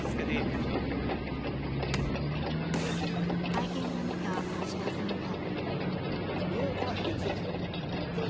会見を見た橋田さんは。